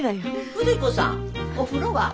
筆子さんお風呂は？